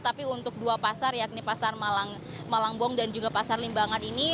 tapi untuk dua pasar yakni pasar malangbong dan juga pasar limbangan ini